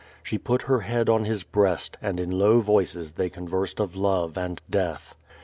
She put her head on his breast, and in low voic(p they conversed of love and death.